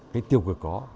cái tiêu cực có